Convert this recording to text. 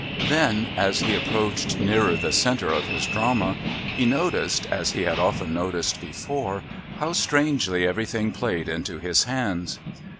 Then, as he approached nearer the centre of his drama, he noticed, as he had often noticed before, how strangely everything played into his hands.